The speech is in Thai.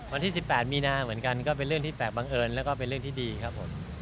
วันที่๑๘มีนาเหมือนกันก็เป็นเรื่องที่แปลกบังเอิญแล้วก็เป็นเรื่องที่ดีครับผม